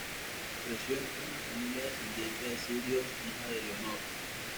Creció en una familia descendiente de sirios, hija de Leonor.